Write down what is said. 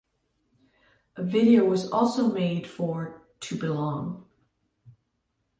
A video was also made for "To Belong".